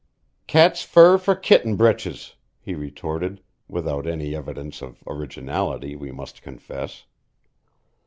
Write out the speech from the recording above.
"Cat's fur for kitten breeches," he retorted without any evidence of originality, we must confess.